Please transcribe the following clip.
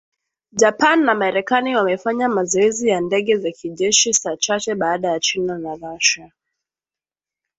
Japan na Marekani wamefanya mazoezi ya ndege za kijeshi saa chache baada ya China na Russia